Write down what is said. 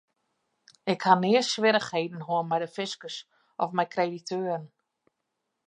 Ik ha nea swierrichheden hân mei de fiskus of mei krediteuren.